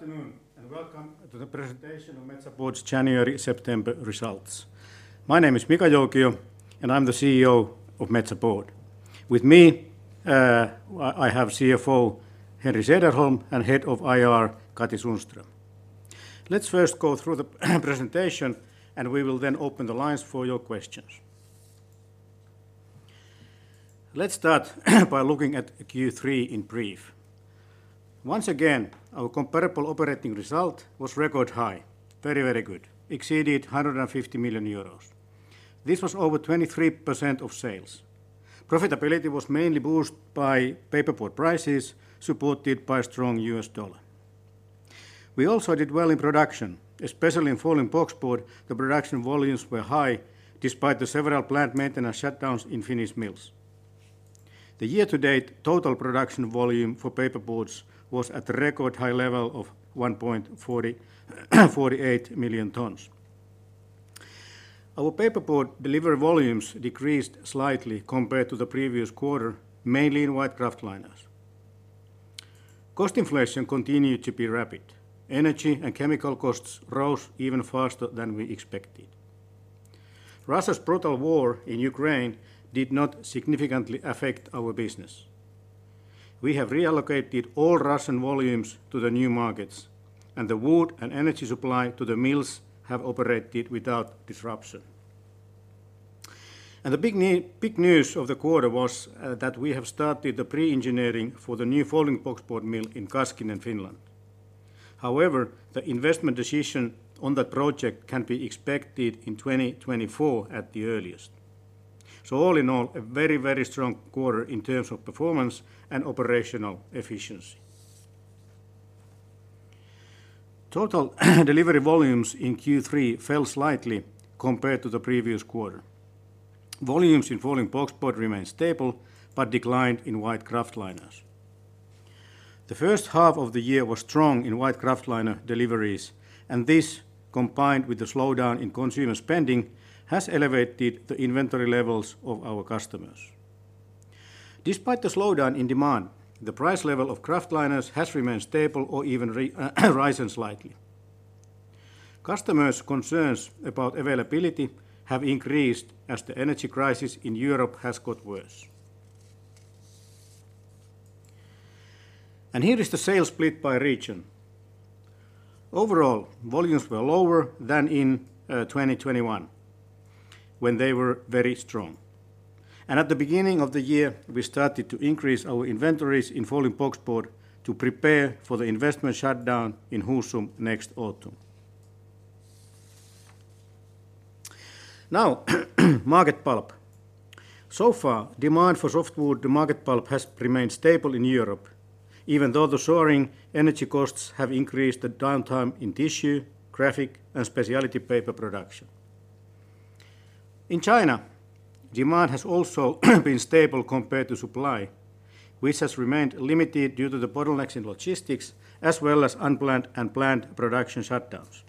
Afternoon, and welcome to the presentation of Metsä Board's January-September results. My name is Mika Joukio, and I'm the CEO of Metsä Board. With me, I have CFO Henri Sederholm and Head of IR Katri Sundström. Let's first go through the presentation, and we will then open the lines for your questions. Let's start by looking at Q3 in brief. Once again, our comparable operating result was record high. Very, very good. Exceeded 150 million euros. This was over 23% of sales. Profitability was mainly boosted by paperboard prices, supported by strong U.S. dollar. We also did well in production, especially in folding boxboard, the production volumes were high despite the several plant maintenance shutdowns in Finnish mills. The year-to-date total production volume for paperboards was at a record high level of 1.448 million tons. Our paperboard delivery volumes decreased slightly compared to the previous quarter, mainly in white kraftliners. Cost inflation continued to be rapid. Energy and chemical costs rose even faster than we expected. Russia's brutal war in Ukraine did not significantly affect our business. We have reallocated all Russian volumes to the new markets, and the wood and energy supply to the mills have operated without disruption. The big news of the quarter was that we have started the pre-engineering for the new folding boxboard mill in Kaskinen, Finland. However, the investment decision on that project can be expected in 2024 at the earliest. All in all, a very, very strong quarter in terms of performance and operational efficiency. Total delivery volumes in Q3 fell slightly compared to the previous quarter. Volumes in folding boxboard remained stable but declined in white kraftliners. The first half of the year was strong in white kraftliner deliveries, and this, combined with the slowdown in consumer spending, has elevated the inventory levels of our customers. Despite the slowdown in demand, the price level of kraftliners has remained stable or even risen slightly. Customers' concerns about availability have increased as the energy crisis in Europe has got worse. Here is the sales split by region. Overall, volumes were lower than in 2021, when they were very strong. At the beginning of the year, we started to increase our inventories in folding boxboard to prepare for the investment shutdown in Husum next autumn. Now, market pulp. So far, demand for softwood market pulp has remained stable in Europe, even though the soaring energy costs have increased the downtime in tissue, graphic, and specialty paper production. In China, demand has also been stable compared to supply, which has remained limited due to the bottlenecks in logistics as well as unplanned and planned production shutdowns.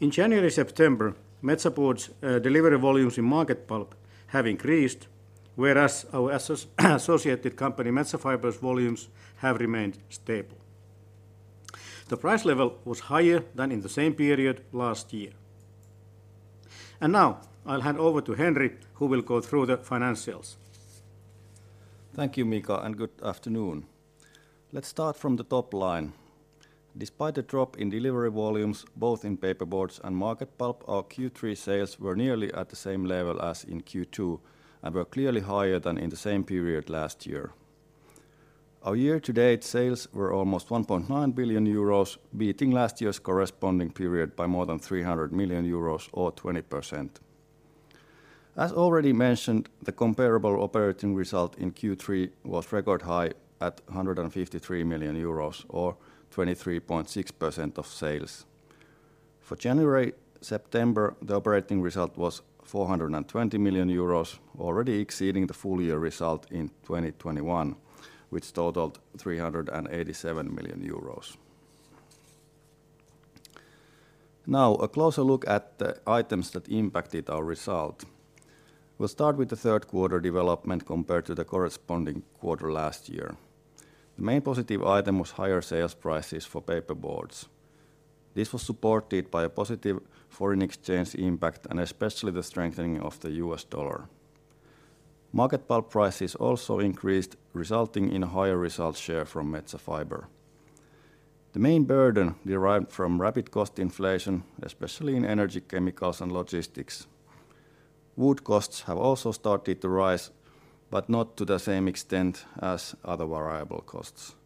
In January-September, Metsä Board's delivery volumes in market pulp have increased, whereas our associated company Metsä Fibre's volumes have remained stable. The price level was higher than in the same period last year. Now I'll hand over to Henri, who will go through the financials. Thank you, Mika, and good afternoon. Let's start from the top line. Despite the drop in delivery volumes, both in paperboards and market pulp, our Q3 sales were nearly at the same level as in Q2 and were clearly higher than in the same period last year. Our year-to-date sales were almost 1.9 billion euros, beating last year's corresponding period by more than 300 million euros, or 20%. As already mentioned, the comparable operating result in Q3 was record high at 153 million euros, or 23.6% of sales. For January-September, the operating result was 420 million euros, already exceeding the full year result in 2021, which totaled 387 million euros. Now, a closer look at the items that impacted our result. We'll start with the third quarter development compared to the corresponding quarter last year. The main positive item was higher sales prices for paperboards. This was supported by a positive foreign exchange impact and especially the strengthening of the U.S. dollar. Market pulp prices also increased, resulting in a higher result share from Metsä Fibre. The main burden derived from rapid cost inflation, especially in energy, chemicals, and logistics. Wood costs have also started to rise, but not to the same extent as other variable costs.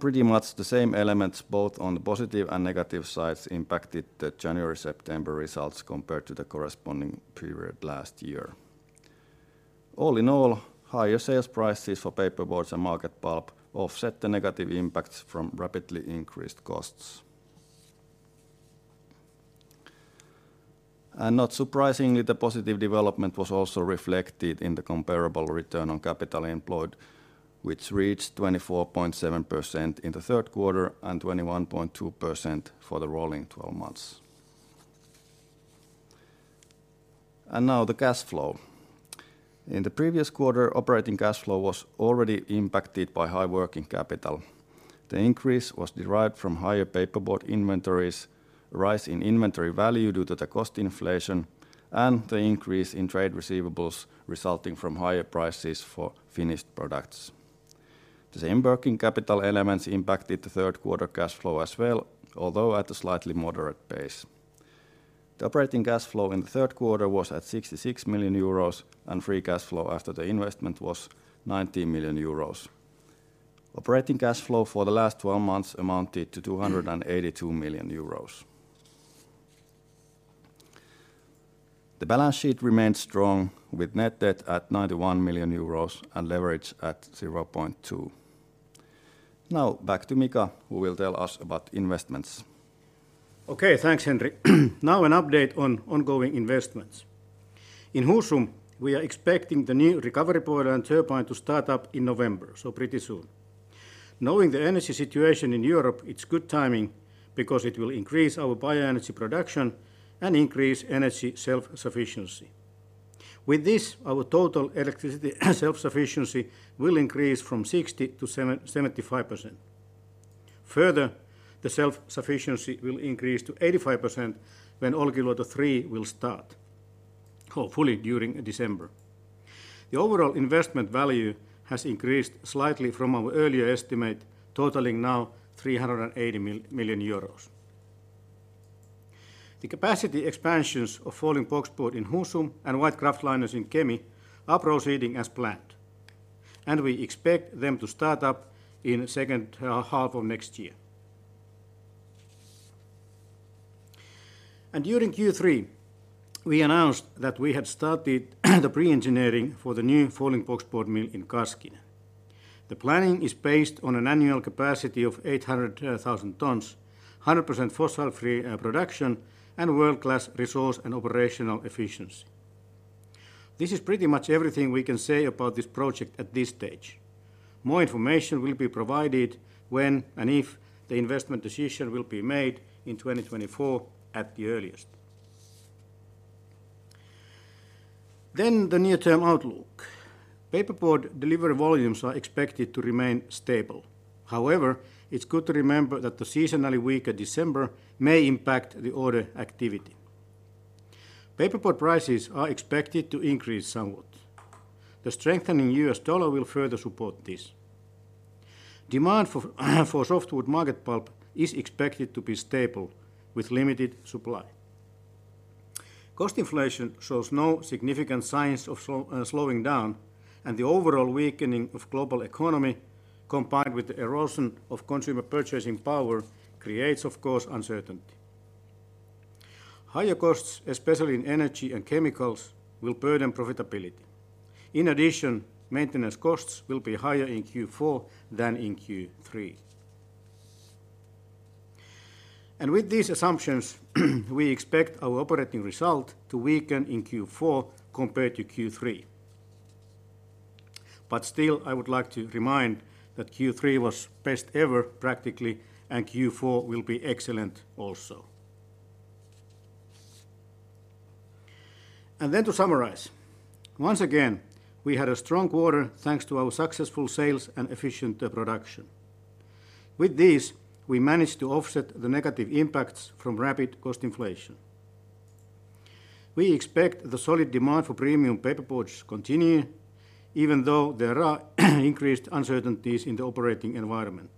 Pretty much the same elements, both on the positive and negative sides, impacted the January-September results compared to the corresponding period last year. All in all, higher sales prices for paperboards and market pulp offset the negative impacts from rapidly increased costs. Not surprisingly, the positive development was also reflected in the comparable return on capital employed, which reached 24.7% in the third quarter and 21.2% for the rolling twelve months. Now the cash flow. In the previous quarter, operating cash flow was already impacted by high working capital. The increase was derived from higher paperboard inventories, rise in inventory value due to the cost inflation, and the increase in trade receivables resulting from higher prices for finished products. The same working capital elements impacted the third quarter cash flow as well, although at a slightly moderate pace. The operating cash flow in the third quarter was at 66 million euros, and free cash flow after the investment was 19 million euros. Operating cash flow for the last twelve months amounted to 282 million. The balance sheet remained strong, with net debt at 91 million euros and leverage at 0.2. Now, back to Mika, who will tell us about investments. Okay, thanks Henri. Now an update on ongoing investments. In Husum, we are expecting the new recovery boiler and turbine to start up in November, so pretty soon. Knowing the energy situation in Europe, it's good timing because it will increase our bioenergy production and increase energy self-sufficiency. With this, our total electricity self-sufficiency will increase from 60%-75%. Further, the self-sufficiency will increase to 85% when Olkiluoto 3 will start, hopefully during December. The overall investment value has increased slightly from our earlier estimate, totaling now 380 million euros. The capacity expansions of folding boxboard in Husum and white kraftliners in Kemi are proceeding as planned, and we expect them to start up in second half of next year. During Q3, we announced that we had started the pre-engineering for the new folding boxboard mill in Kaskinen. The planning is based on an annual capacity of 800,000 tons, 100% fossil-free production, and world-class resource and operational efficiency. This is pretty much everything we can say about this project at this stage. More information will be provided when and if the investment decision will be made in 2024 at the earliest. The near-term outlook. Paperboard delivery volumes are expected to remain stable. However, it's good to remember that the seasonally weaker December may impact the order activity. Paperboard prices are expected to increase somewhat. The strengthening U.S. dollar will further support this. Demand for softwood market pulp is expected to be stable with limited supply. Cost inflation shows no significant signs of slowing down, and the overall weakening of global economy, combined with the erosion of consumer purchasing power, creates, of course, uncertainty. Higher costs, especially in energy and chemicals, will burden profitability. In addition, maintenance costs will be higher in Q4 than in Q3. With these assumptions, we expect our operating result to weaken in Q4 compared to Q3. Still, I would like to remind that Q3 was best ever practically, and Q4 will be excellent also. Then to summarize. Once again, we had a strong quarter thanks to our successful sales and efficient production. With this, we managed to offset the negative impacts from rapid cost inflation. We expect the solid demand for premium paperboards to continue even though there are increased uncertainties in the operating environment.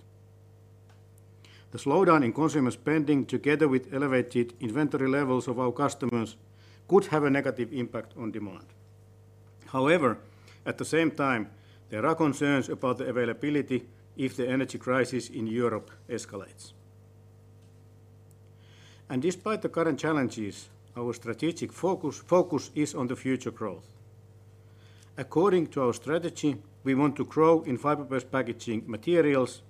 The slowdown in consumer spending, together with elevated inventory levels of our customers, could have a negative impact on demand. However, at the same time, there are concerns about the availability if the energy crisis in Europe escalates. Despite the current challenges, our strategic focus is on the future growth. According to our strategy, we want to grow in fiber-based packaging materials,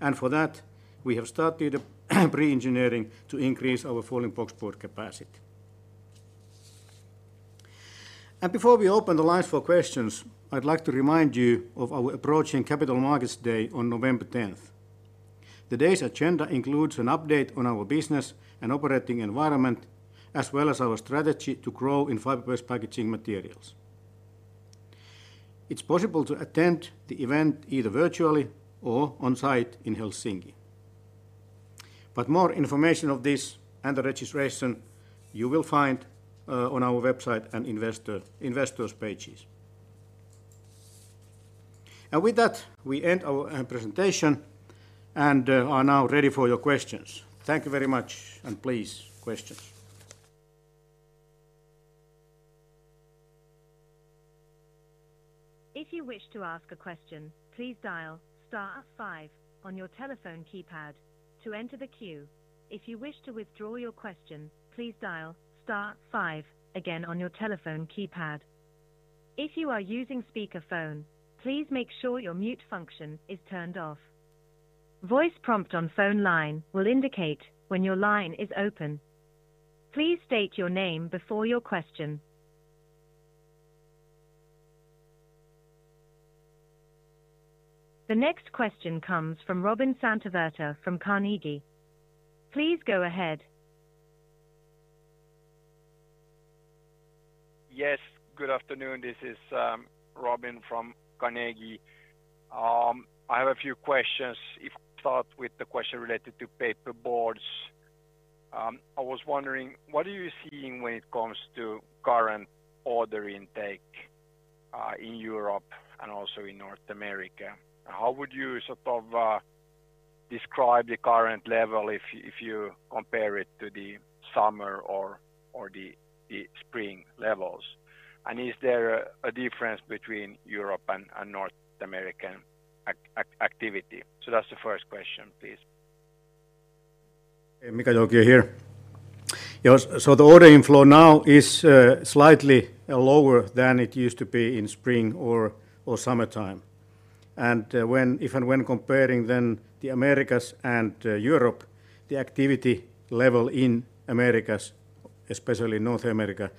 and for that we have started a pre-engineering to increase our folding boxboard capacity. Before we open the lines for questions, I'd like to remind you of our approaching Capital Markets Day on November tenth. The day's agenda includes an update on our business and operating environment, as well as our strategy to grow in fiber-based packaging materials. It's possible to attend the event either virtually or on-site in Helsinki. More information on this and the registration you will find on our website and investors pages. With that, we end our presentation and are now ready for your questions. Thank you very much, and please, questions. If you wish to ask a question, please dial star five on your telephone keypad to enter the queue. If you wish to withdraw your question, please dial star five again on your telephone keypad. If you are using speakerphone, please make sure your mute function is turned off. Voice prompt on phone line will indicate when your line is open. Please state your name before your question. The next question comes from Robin Santavirta from Carnegie. Please go ahead. Yes, good afternoon. This is Robin Santavirta from Carnegie. I have a few questions. If I start with the question related to paperboards. I was wondering, what are you seeing when it comes to current order intake in Europe and also in North America? How would you sort of describe the current level if you compare it to the summer or the spring levels? Is there a difference between Europe and North American activity? That's the first question, please. Mika Joukio here. Yes, the order inflow now is slightly lower than it used to be in spring or summertime. If and when comparing then the Americas and Europe, the activity level in Americas, especially North America,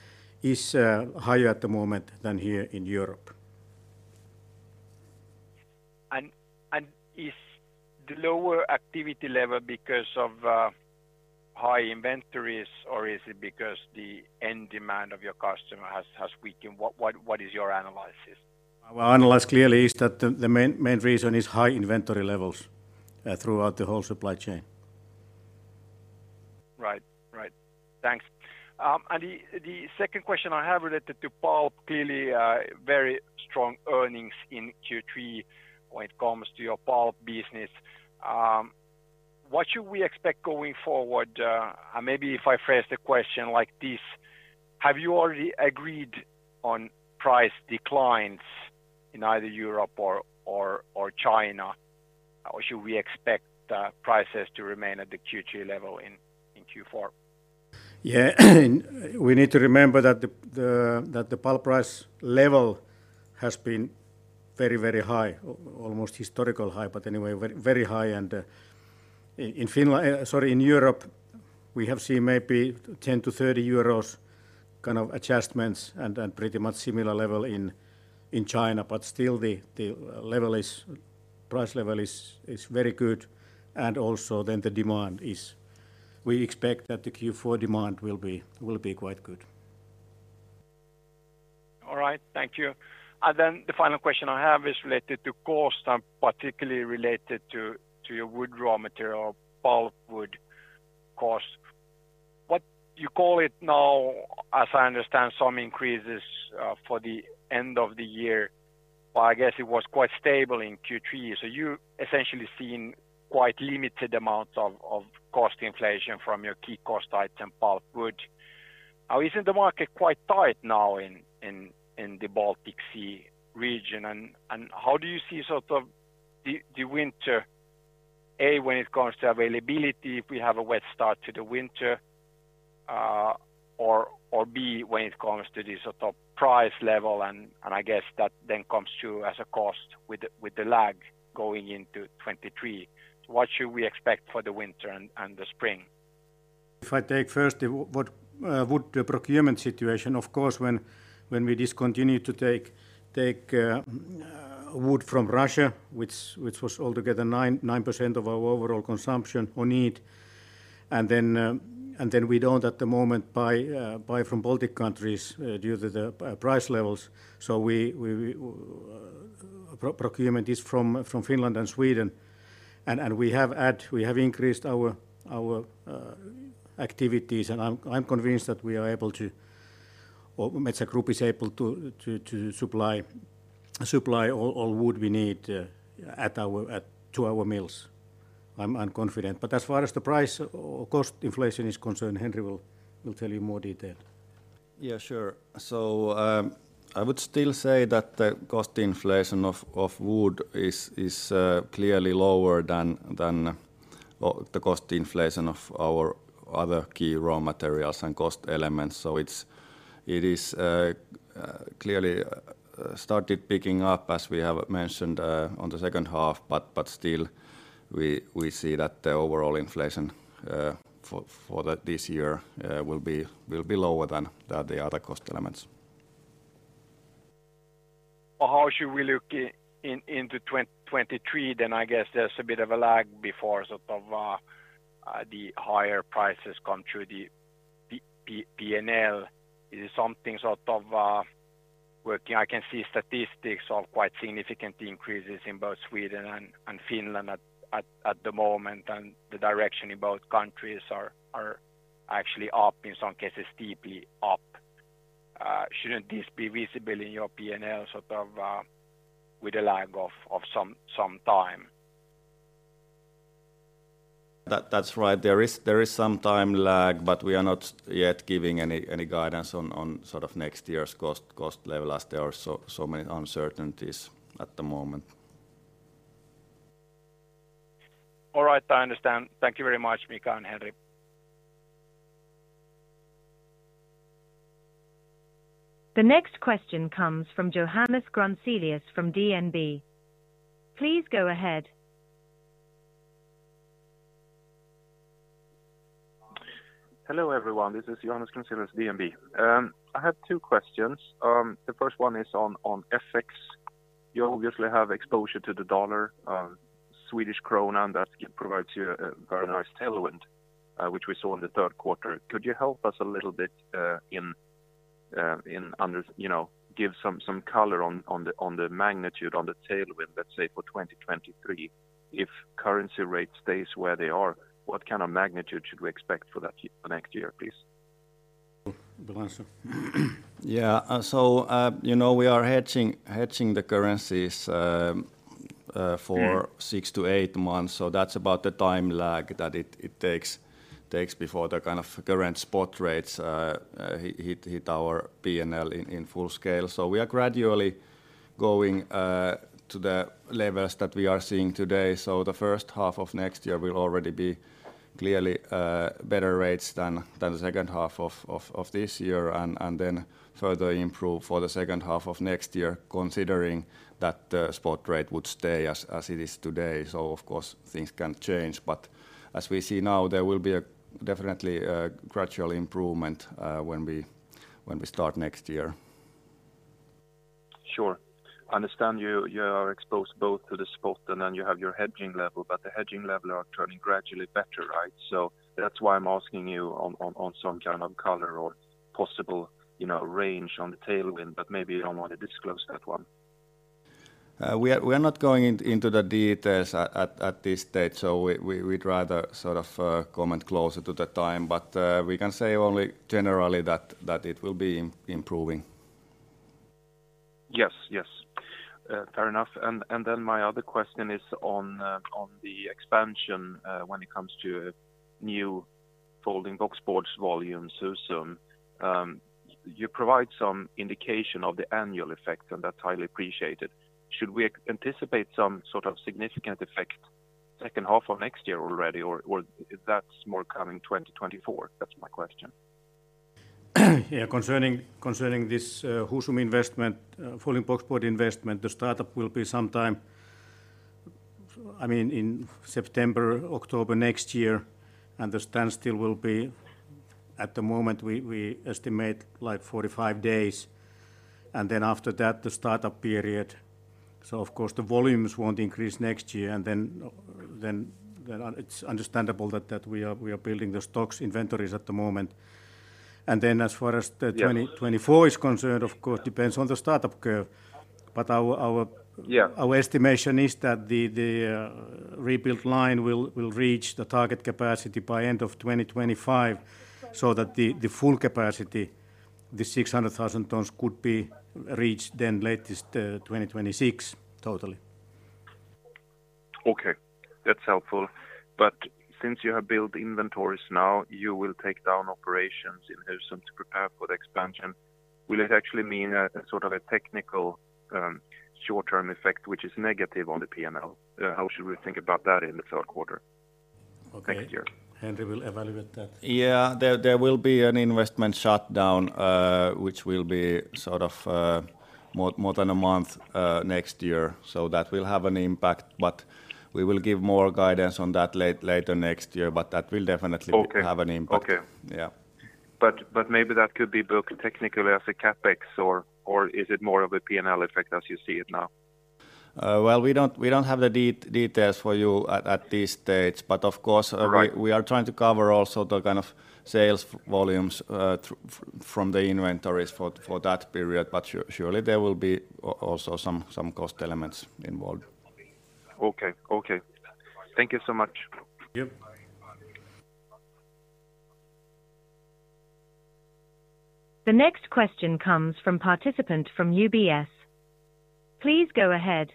is higher at the moment than here in Europe. Is the lower activity level because of high inventories, or is it because the end demand of your customer has weakened? What is your analysis? Our analysis clearly is that the main reason is high inventory levels throughout the whole supply chain. Right. Thanks. The second question I have related to pulp, clearly, very strong earnings in Q3 when it comes to your pulp business. What should we expect going forward? Maybe if I phrase the question like this: Have you already agreed on price declines in either Europe or China? Or should we expect prices to remain at the Q3 level in Q4? We need to remember that the pulp price level has been very, very high, almost historical high, but anyway, very, very high. In Europe, we have seen maybe 10-30 euros kind of adjustments and pretty much similar level in China. Still the price level is very good. Also then the demand is. We expect that the Q4 demand will be quite good. All right. Thank you. Then the final question I have is related to cost, and particularly related to your wood raw material, pulpwood cost. What you call it now, as I understand, some increases for the end of the year, but I guess it was quite stable in Q3. You're essentially seeing quite limited amounts of cost inflation from your key cost item, pulpwood. Now, isn't the market quite tight now in the Baltic Sea region? How do you see sort of the winter, A, when it comes to availability, if we have a wet start to the winter, or B, when it comes to the sort of price level and I guess that then comes to as a cost with the lag going into 2023. What should we expect for the winter and the spring? If I take first the wood procurement situation, of course, when we discontinue to take wood from Russia, which was altogether 9% of our overall consumption or need, and then we don't at the moment buy from Baltic countries due to the price levels. Our procurement is from Finland and Sweden. We have increased our activities, and I'm convinced that we are able to or Metsä Group is able to supply all wood we need to our mills. I'm confident. As far as the price or cost inflation is concerned, Henri will tell you more detail. Yeah, sure. I would still say that the cost inflation of wood is clearly lower than the cost inflation of our other key raw materials and cost elements. It is clearly started picking up, as we have mentioned, on the second half, but still we see that the overall inflation for this year will be lower than the other cost elements. How should we look into 2023 then? I guess there's a bit of a lag before sort of the higher prices come through the P&L. Is it something sort of working? I can see statistics of quite significant increases in both Sweden and Finland at the moment, and the direction in both countries are actually up, in some cases steeply up. Shouldn't this be visible in your P&L sort of with a lag of some time? That's right. There is some time lag, but we are not yet giving any guidance on sort of next year's cost level, as there are so many uncertainties at the moment. All right. I understand. Thank you very much, Mika and Henri. The next question comes from Johannes Grunselius from DNB. Please go ahead. Hello everyone, this is Johannes Grunselius with DNB. I have two questions. The first one is on FX. You obviously have exposure to the dollar, Swedish krona, and that provides you a very nice tailwind, which we saw in the third quarter. Could you help us a little bit. You know, give some color on the magnitude on the tailwind, let's say for 2023. If currency rate stays where they are, what kind of magnitude should we expect for that next year, please? Yeah. You know, we are hedging the currencies for 6-8 months. That's about the time lag that it takes before the kind of current spot rates hit our P&L in full scale. We are gradually going to the levels that we are seeing today. The first half of next year will already be clearly better rates than the second half of this year and then further improve for the second half of next year, considering that the spot rate would stay as it is today. Of course things can change. As we see now, there will be definitely a gradual improvement when we start next year. Sure. Understand you are exposed both to the spot and then you have your hedging level, but the hedging level are turning gradually better, right? That's why I'm asking you on some kind of color or possible, you know, range on the tailwind, but maybe you don't wanna disclose that one. We are not going into the details at this stage. We'd rather sort of comment closer to the time. We can say only generally that it will be improving. Yes, yes. Fair enough. My other question is on the expansion, when it comes to new folding boxboard volume, Husum. You provide some indication of the annual effect, and that's highly appreciated. Should we anticipate some sort of significant effect second half of next year already or is that more coming 2024? That's my question. Yeah. Concerning this Husum investment, folding boxboard investment, the startup will be sometime, I mean, in September, October next year. The standstill will be at the moment we estimate like 45 days, and then after that, the startup period. Of course the volumes won't increase next year. Then it's understandable that we are building the stocks inventories at the moment. Then as far as the Yeah. 2024 is concerned, of course depends on the startup curve. Our Yeah. Our estimation is that the rebuilt line will reach the target capacity by end of 2025 so that the full capacity, the 600,000 tons could be reached then latest, 2026 totally. Okay, that's helpful. Since you have built inventories now, you will take down operations in Husum to prepare for the expansion. Will it actually mean a sort of a technical short-term effect which is negative on the PNL? How should we think about that in the third quarter? Okay. Thank you. Henri will evaluate that. Yeah. There will be an investment shutdown, which will be sort of more than a month next year. That will have an impact, but we will give more guidance on that later next year. That will definitely. Okay. Have an impact. Okay. Yeah. Maybe that could be booked technically as a CapEx or is it more of a P&L effect as you see it now? Well, we don't have the details for you at this stage, but of course. All right. We are trying to cover also the kind of sales volumes from the inventories for that period. Surely there will be also some cost elements involved. Okay. Okay. Thank you so much. Yep. The next question comes from participant from UBS. Please go ahead.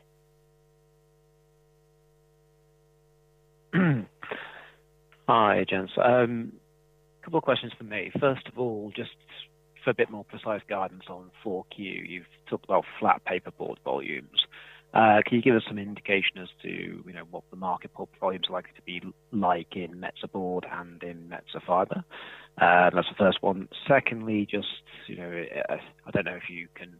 Hi gents. Couple of questions from me. First of all, just for a bit more precise guidance on Q4, you've talked about flat paperboard volumes. Can you give us some indication as to, you know, what the market pulp volume's likely to be like in Metsä Board and in Metsä Fibre? That's the first one. Secondly, just, you know, I don't know if you can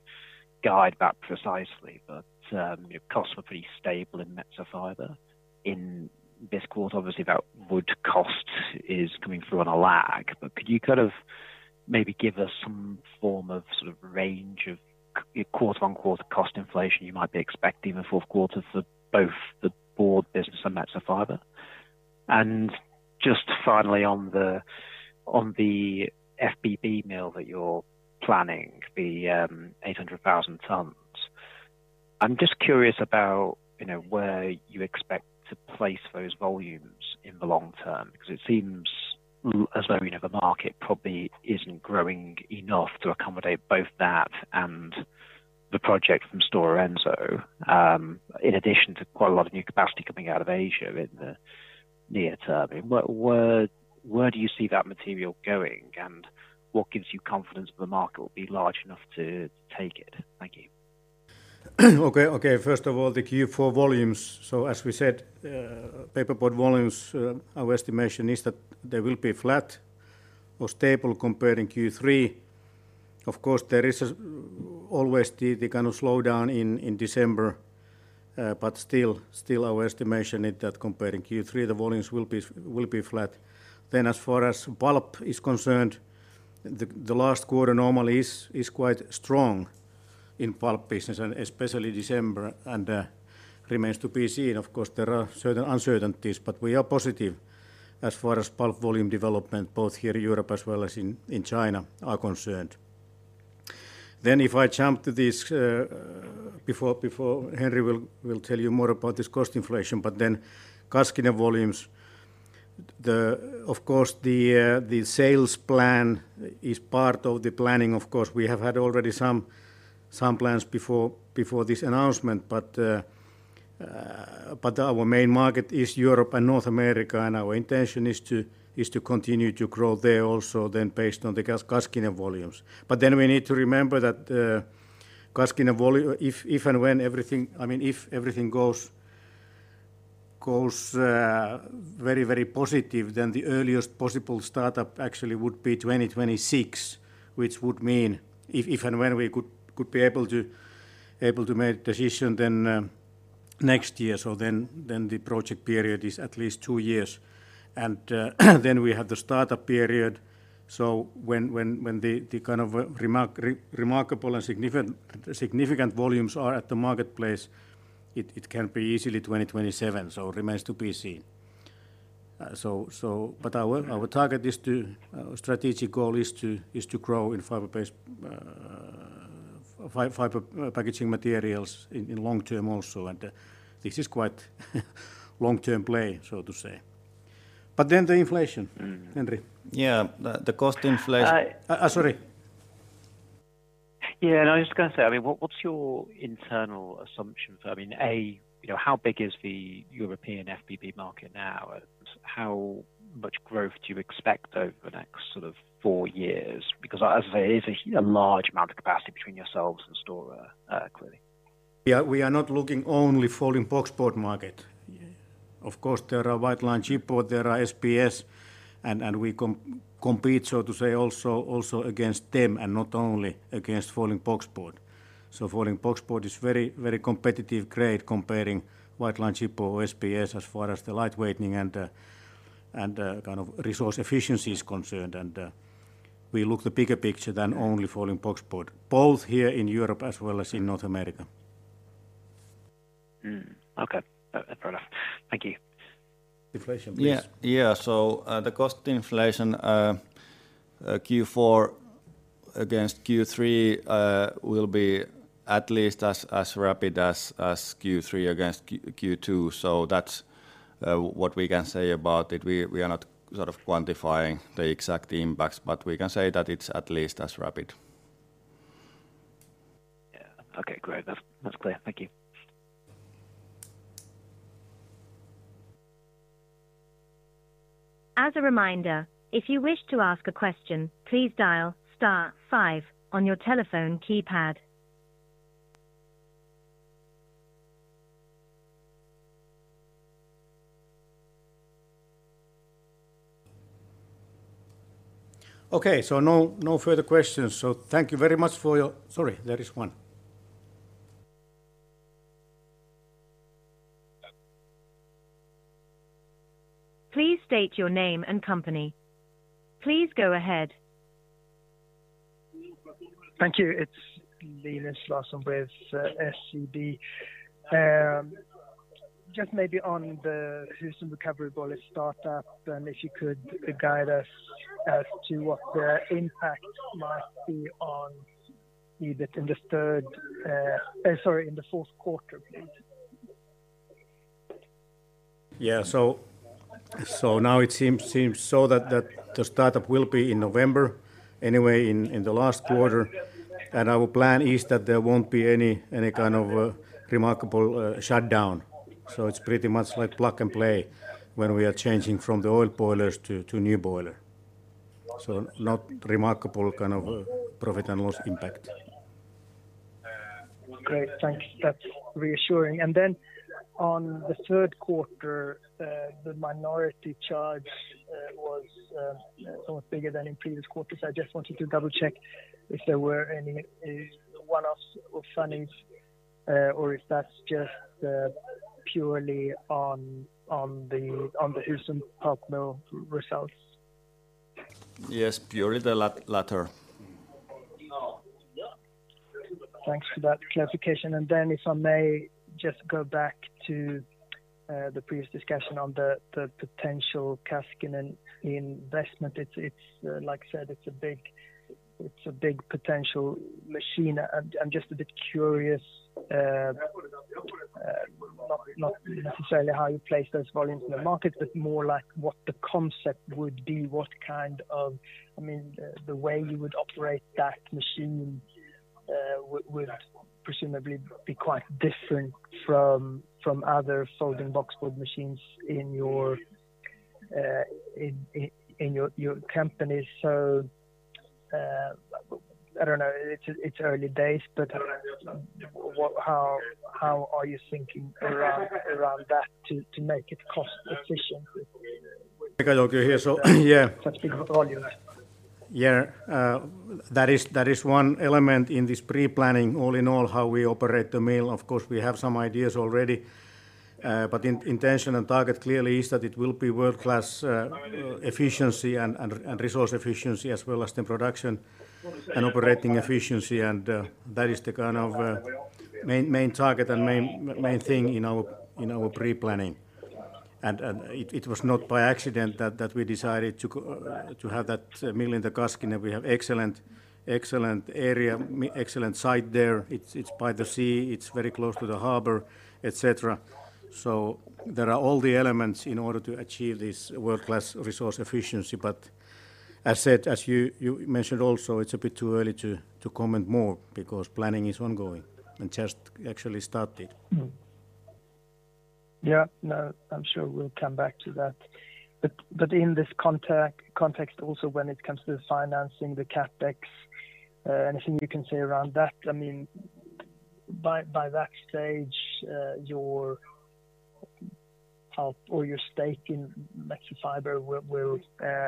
guide that precisely, but, your costs were pretty stable in Metsä Fibre in this quarter. Obviously, that wood cost is coming through on a lag. But could you kind of maybe give us some form of sort of range of quarter-on-quarter cost inflation you might be expecting in the fourth quarter for both the board business and Metsä Fibre? Just finally on the FBB mill that you're planning, the 800,000 tons. I'm just curious about, you know, where you expect to place those volumes in the long term because it seems as though, you know, the market probably isn't growing enough to accommodate both that and the project from Stora Enso, in addition to quite a lot of new capacity coming out of Asia in the near term. Where, where do you see that material going, and what gives you confidence that the market will be large enough to take it? Thank you. Okay. First of all, the Q4 volumes. As we said, paperboard volumes, our estimation is that they will be flat or stable comparing Q3. Of course, there is always the kind of slowdown in December, but still our estimation is that comparing Q3, the volumes will be flat. As far as pulp is concerned, the last quarter normally is quite strong in pulp business and especially December and remains to be seen. Of course, there are certain uncertainties, but we are positive as far as pulp volume development, both here in Europe as well as in China are concerned. If I jump to this, before Henri will tell you more about this cost inflation, but then Kaskinen volumes. Of course the sales plan is part of the planning. Of course, we have had already some plans before this announcement. Our main market is Europe and North America, and our intention is to continue to grow there also then based on the Kaskinen volumes. We need to remember that if and when everything I mean, if everything goes very very positive, then the earliest possible startup actually would be 2026, which would mean if and when we could be able to make decision then next year. The project period is at least two years. Then we have the startup period. When the kind of remarkable and significant volumes are at the marketplace, it can be easily 2027, so it remains to be seen. Our target is to... Our strategic goal is to grow in fiber-based fiber packaging materials in long term also. This is quite long-term play, so to say. The inflation. Henri. Yeah. The cost inflation. Sorry. Yeah. No, I was just gonna say, I mean, what's your internal assumption for I mean, A, you know, how big is the European FBB market now? How much growth do you expect over the next sort of four years? Because as I say, it's a large amount of capacity between yourselves and Stora Enso, clearly. Yeah. We are not looking only folding boxboard market. Of course, there are white-lined chipboard, there are SBS, and we compete, so to say, also against them, and not only against folding boxboard. Folding boxboard is very, very competitive grade comparing white-lined chipboard or SBS as far as the lightweighting and kind of resource efficiency is concerned. We look the bigger picture than only folding boxboard, both here in Europe as well as in North America. Okay. That, that's fair enough. Thank you. Inflation, please. The cost inflation Q4 against Q3 will be at least as rapid as Q3 against Q2. That's what we can say about it. We are not sort of quantifying the exact impacts, but we can say that it's at least as rapid. Yeah. Okay, great. That's clear. Thank you. As a reminder, if you wish to ask a question, please dial star five on your telephone keypad. Okay. No, no further questions. Thank you very much for your. Sorry, there is one. Please state your name and company. Please go ahead. Thank you. It's Linus Larsson with SEB. Just maybe on the Husum recovery boiler startup, and if you could guide us as to what the impact might be on either in the fourth quarter, please. Yeah. Now it seems that the startup will be in November, anyway in the last quarter. Our plan is that there won't be any kind of remarkable shutdown. It's pretty much like plug and play when we are changing from the oil boilers to new boiler. Not remarkable kind of profit and loss impact. Great. Thanks. That's reassuring. On the third quarter, the minority charge was somewhat bigger than in previous quarters. I just wanted to double-check if there were any one-off or funnies, or if that's just purely on the Husum partner results. Yes, purely the latter. Thanks for that clarification. If I may just go back to the previous discussion on the potential Kaskinen investment. It's like you said, it's a big potential machine. I'm just a bit curious, not necessarily how you place those volumes in the market, but more like what the concept would be, what kind of. I mean, the way you would operate that machine would presumably be quite different from other folding boxboard machines in your company. I don't know, it's early days, but what how are you thinking around that to make it cost efficient? Mika Joukio here. That is one element in this pre-planning all in all how we operate the mill. Of course, we have some ideas already. Intention and target clearly is that it will be world-class efficiency and resource efficiency as well as the production and operating efficiency. That is the kind of main target and main thing in our pre-planning. It was not by accident that we decided to have that mill in the Kaskinen. We have excellent area, excellent site there. It's by the sea, it's very close to the harbor, et cetera. There are all the elements in order to achieve this world-class resource efficiency. As said, as you mentioned also, it's a bit too early to comment more because planning is ongoing and just actually started. Yeah. No, I'm sure we'll come back to that. In this context, when it comes to financing the CapEx, anything you can say around that? I mean, by that stage, your pulp or your stake in Metsä Fibre will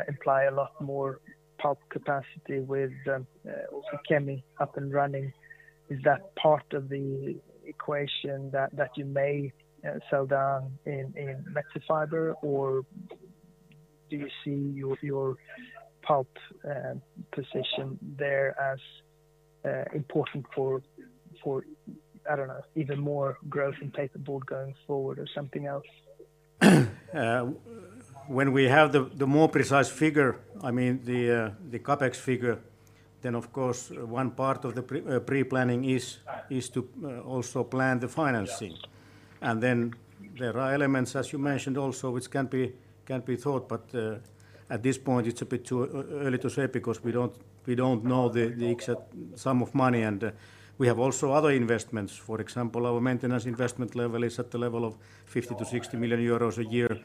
imply a lot more pulp capacity with also Kemi up and running. Is that part of the equation that you may sell down in Metsä Fibre? Or do you see your pulp position there as important for, I don't know, even more growth in paperboard going forward or something else? When we have the more precise figure, I mean, the CapEx figure, then of course one part of the pre-planning is to also plan the financing. Then there are elements as you mentioned also which can be thought, but at this point it's a bit too early to say because we don't know the exact sum of money and we have also other investments. For example, our maintenance investment level is at the level of 50 million-60 million euros a year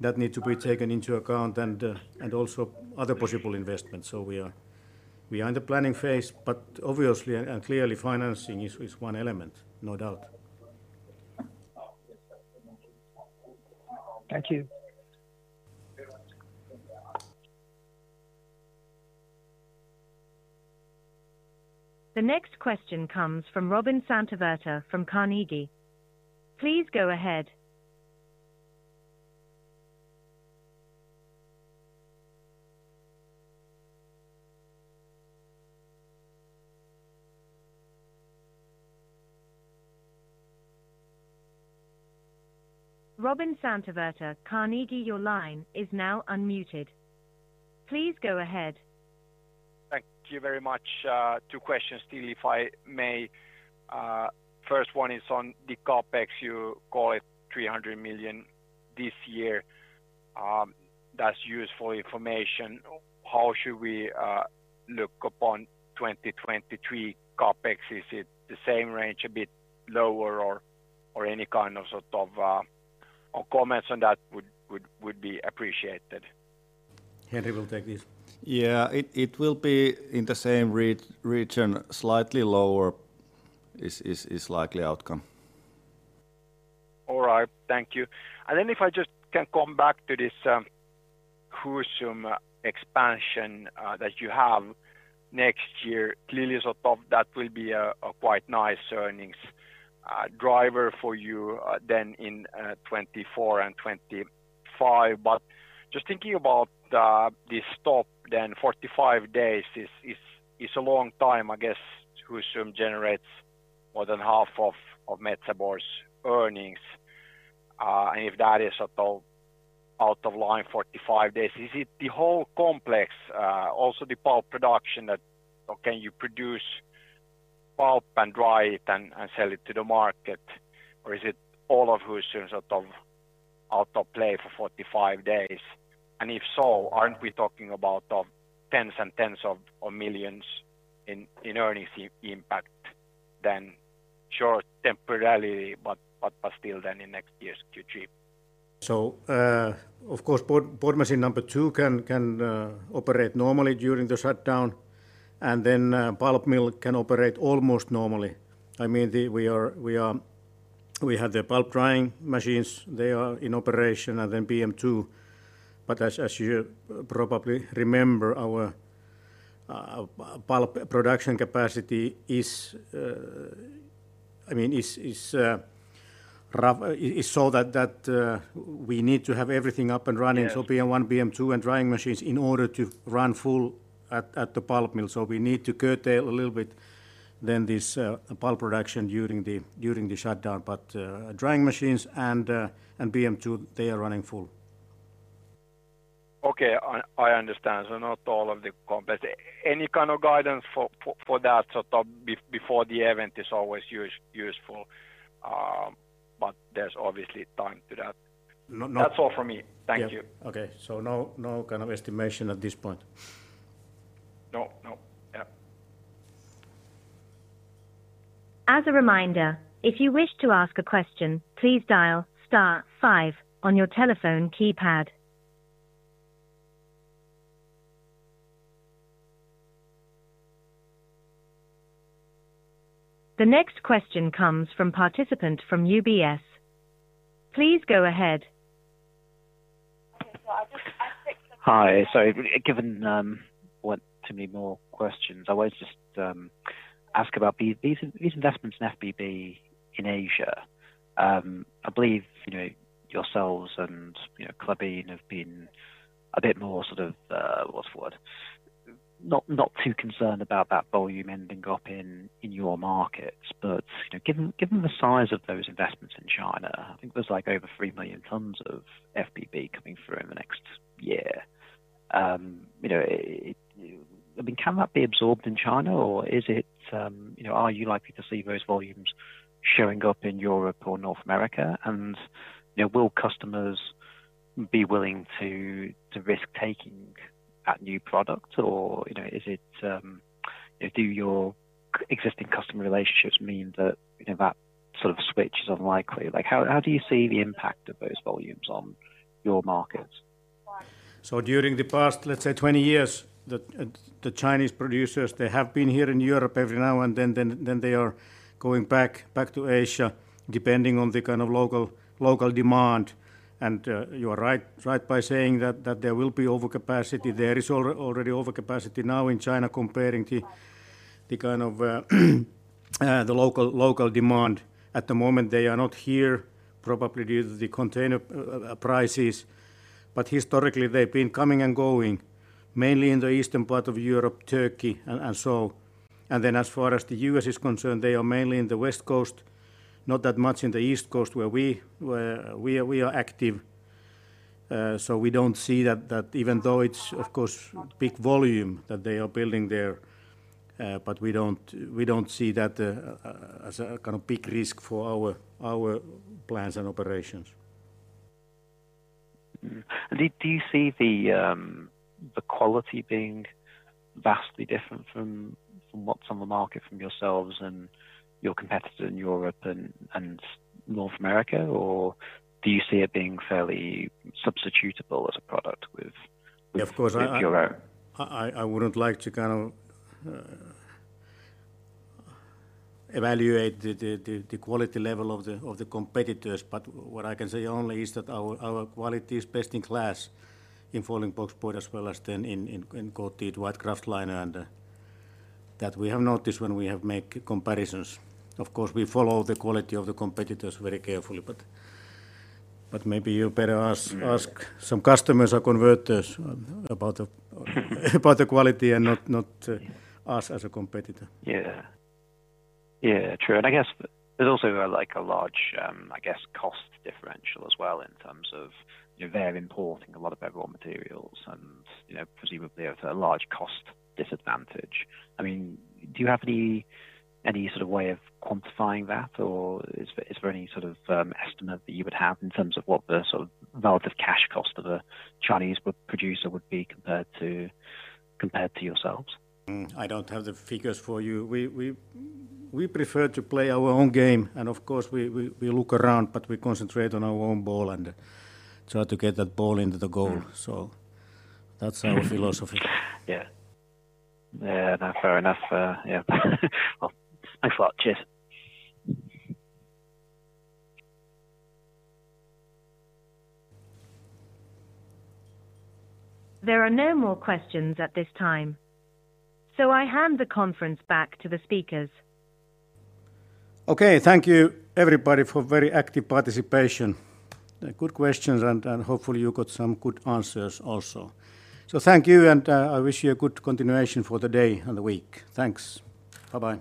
that need to be taken into account and also other possible investments. We are in the planning phase, but obviously and clearly financing is one element, no doubt. Thank you. The next question comes from Robin Santavirta from Carnegie. Please go ahead. Robin Santavirta, Carnegie, your line is now unmuted. Please go ahead. Thank you very much. Two questions to you, if I may. First one is on the CapEx, you call it 300 million this year. That's useful information. How should we look upon 2023 CapEx? Is it the same range, a bit lower or any kind of, sort of, comments on that would be appreciated. Henri will take this. Yeah. It will be in the same region, slightly lower is likely outcome. All right. Thank you. Then if I just can come back to this, Husum expansion, that you have next year. Clearly sort of that will be a quite nice earnings driver for you, then in 2024 and 2025. Just thinking about the stop then, 45 days is a long time. I guess Husum generates more than half of Metsä Board's earnings. And if that is at all offline 45 days, is it the whole complex, also the pulp production? Or can you produce pulp and dry it and sell it to the market? Or is it all of Husum sort of out of play for 45 days? If so, aren't we talking about tens and tens of millions in earnings impact then sure temporarily but still then in next year's Q3? Of course, Board Machine number 2 can operate normally during the shutdown, and pulp mill can operate almost normally. We have the pulp drying machines, they are in operation and then BM 2. But as you probably remember, our pulp production capacity is such that we need to have everything up and running. Yes BM 1, BM 2 and drying machines in order to run full at the pulp mill. We need to curtail a little bit then this pulp production during the shutdown. Drying machines and BM 2, they are running full. Okay. I understand. Not all of the complex. Any kind of guidance for that sort of before the event is always useful. There's obviously time to that. No. That's all from me. Thank you. Yeah. Okay. No, no kind of estimation at this point. No, no. Yeah. As a reminder, if you wish to ask a question, please dial star five on your telephone keypad. The next question comes from participant from UBS. Please go ahead. Okay. I think. Hi. Given one or two more questions, I want to just ask about these investments in FBB in Asia. I believe, you know, yourselves and, you know, Klabin have been a bit more, sort of, what's the word? Not too concerned about that volume ending up in your markets. Given the size of those investments in China, I think there's, like, over 3 million tons of FBB coming through in the next year. You know, I mean, can that be absorbed in China or is it, you know, are you likely to see those volumes showing up in Europe or North America? You know, will customers be willing to risk taking that new product or, you know, is it, you know, do your existing customer relationships mean that, you know, that sort of switch is unlikely? Like, how do you see the impact of those volumes on your markets? During the past, let's say, 20 years, the Chinese producers, they have been here in Europe every now and then they are going back to Asia, depending on the kind of local demand. You are right in saying that there will be overcapacity. There is already overcapacity now in China compared to the kind of local demand. At the moment, they are not here, probably due to the container prices. Historically, they've been coming and going, mainly in the eastern part of Europe, Turkey, and so. As far as the U.S. is concerned, they are mainly in the West Coast, not that much in the East Coast where we are active. We don't see that even though it's, of course, big volume that they are building there, but we don't see that as a kind of big risk for our plans and operations. Do you see the quality being vastly different from what's on the market from yourselves and your competitor in Europe and North America? Or do you see it being fairly substitutable as a product with- Yeah, of course. With your own? I wouldn't like to kind of evaluate the quality level of the competitors. What I can say only is that our quality is best in class in folding boxboard as well as then in coated white kraftliner, and that we have noticed when we have made comparisons. Of course, we follow the quality of the competitors very carefully, but maybe you better ask some customers or converters about the quality and not us as a competitor. Yeah. Yeah, true. I guess there's also, like, a large, I guess cost differential as well in terms of, you know, they're importing a lot of their raw materials and, you know, presumably at a large cost disadvantage. I mean, do you have any sort of way of quantifying that, or is there any sort of estimate that you would have in terms of what the sort of relative cash cost of a Chinese producer would be compared to yourselves? I don't have the figures for you. We prefer to play our own game. Of course, we look around, but we concentrate on our own ball and try to get that ball into the goal. That's our philosophy. Yeah. Yeah. No, fair enough. Yeah. Well, thanks a lot. Cheers. There are no more questions at this time, so I hand the conference back to the speakers. Okay. Thank you everybody for very active participation. Good questions, and hopefully you got some good answers also. Thank you, and I wish you a good continuation for the day and the week. Thanks. Bye-bye.